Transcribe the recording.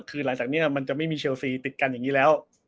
คือหลังจากนี้มันจะไม่มีเชลซีติดกันอย่างนี้แล้ว